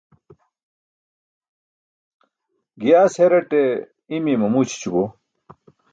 Giyaas heraṭe imiye mamu ićʰićubo.